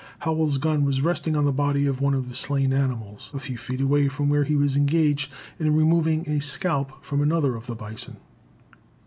Howell's gun was resting on the body of one of the slain animals, a few feet away from where he was engaged in removing a scalp from another of the bison.